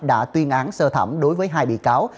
đã tuyên án sơ thẩm đối với hai bị cáo